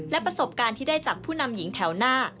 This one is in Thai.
และประสบการณ์ที่ได้จากผู้นำหญิงแถวหน้า